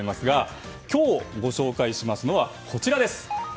今日、ご紹介しますのはこちら。